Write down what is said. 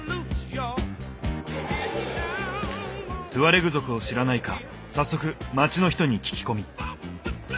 トゥアレグ族を知らないか早速町の人に聞き込み。